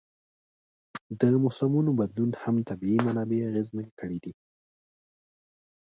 د موسمونو بدلون هم طبیعي منابع اغېزمنې کړي دي.